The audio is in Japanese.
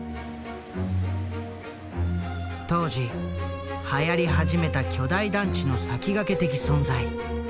当時はやり始めた巨大団地の先駆け的存在。